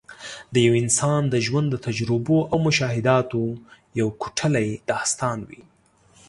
د یو انسان د ژوند د تجربو او مشاهداتو یو کوټلی داستان وي.